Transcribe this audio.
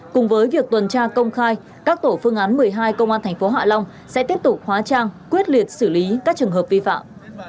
cùng với việc tuần tra công khai các tổ phương án một mươi hai công an tp hạ long sẽ tiếp tục hóa trang quyết liệt xử lý các trường hợp vi phạm